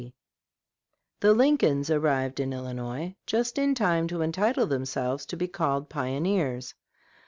] The Lincolns arrived in Illinois just in time to entitle themselves to be called pioneers.